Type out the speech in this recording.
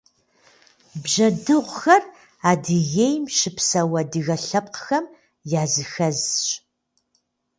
Бжьэдыгъухэр Адыгейм щыпсэу адыгэ лъэпкъхэм языхэзщ.